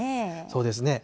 そうですね。